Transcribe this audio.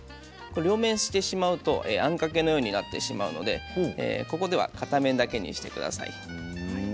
両面してしまうとあんかけのようになってしまうのでここでは片面だけにしてください。